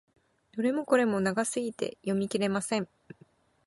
どれもこれも長すぎて読み切れません。